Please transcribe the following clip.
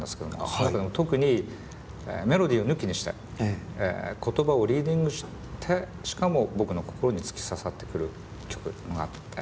その中でも特にメロディーを抜きにして言葉をリーディングしてしかも僕の心に突き刺さってくる曲があって。